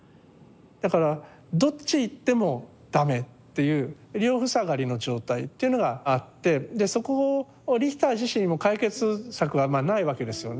だからどっち行っても駄目っていう両塞がりの状態っていうのがあってでそこをリヒター自身も解決策はないわけですよね。